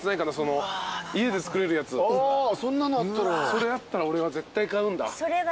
それあったら俺は絶対買うんだ。